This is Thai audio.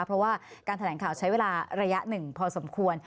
เพราะว่าการแถลงข่าวใช้เวลาระยะหนึ่งพอสมควร